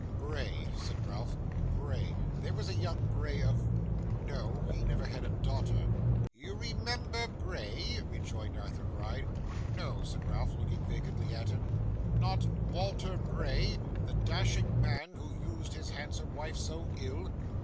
'Bray,' said Ralph. 'Bray there was young Bray of no, he never had a daughter.' 'You remember Bray?' rejoined Arthur Gride. 'No,' said Ralph, looking vacantly at him. 'Not Walter Bray! The dashing man, who used his handsome wife so ill?